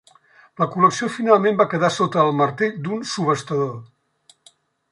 La col·lecció finalment va quedar sota el martell d'un subhastador.